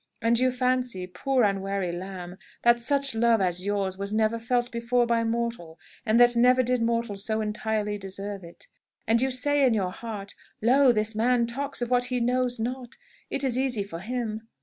And you fancy, poor unwary lamb, that such love as yours was never before felt by mortal, and that never did mortal so entirely deserve it! And you say in your heart, 'Lo, this man talks of what he knows not! It is easy for him!'